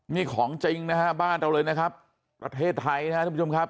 นี่ของจริงนะฮะบ้านเราเลยนะครับประเทศไทยนะครับทุกผู้ชมครับ